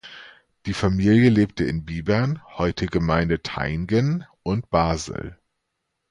Die Familie lebte in Bibern (heute Gemeinde Thayngen) und Basel.